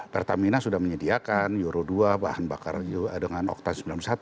pertamina sudah menyediakan euro dua bahan bakar dengan oktan sembilan puluh satu